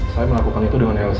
saya melakukan itu dengan lsi